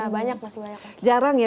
banyak masih banyak lagi